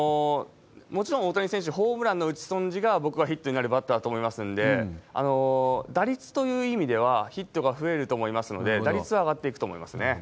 もちろん大谷選手、ホームランの打ち損じが、僕はヒットになるバッターだと思いますんで、打率という意味では、ヒットが増えると思いますので、打率は上がっていくと思いますね。